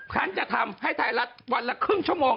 ฉันจะทำให้ไทยรัฐวันละครึ่งชั่วโมง